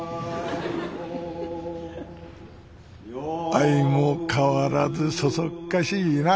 相も変わらずそそっかしいな。